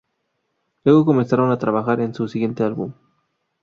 Luego comenzaron a trabajar en su siguiente álbum.